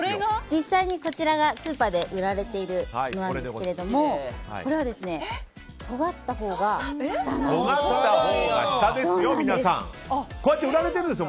実際にこれがスーパーで売られているものですがこれは、とがったほうが下なんです。